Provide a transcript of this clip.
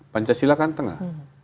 pancasila kan tengah